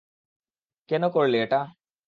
কেন করলে এটা?